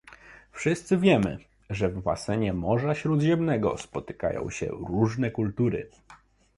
Wszyscy wiemy, że w basenie Morza Śródziemnego spotykają się różne kultury